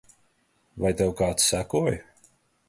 Vai tev kāds sekoja?